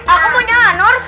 aku maunya anur